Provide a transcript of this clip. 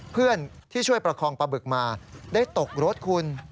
เพื่อนที่ช่วยประคองปลาบึกมาได้ตกรถคุณ